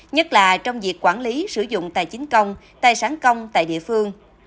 nhất là trong việc quản lý sử dụng tài chính công tài sản công tại địa phương